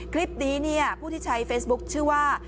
คลิปนี้เนี่ยผู้ที่ใช้เฟซบุ๊คชื่อว่า